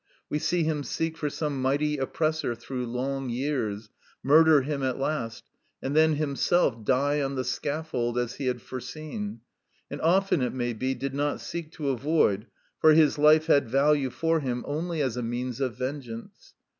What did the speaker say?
We see him seek for some mighty oppressor through long years, murder him at last, and then himself die on the scaffold, as he had foreseen, and often, it may be, did not seek to avoid, for his life had value for him only as a means of vengeance.